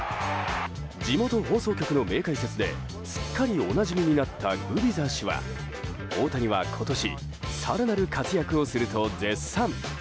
地元放送局の名解説ですっかりおなじみになったグビザ氏は大谷は今年更なる活躍をすると絶賛。